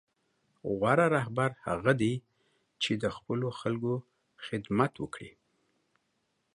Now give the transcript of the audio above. غوره رهبر هغه دی چې د خپلو خلکو خدمت وکړي.